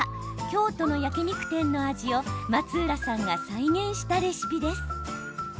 京都の焼き肉店の味を松浦さんが再現したレシピです。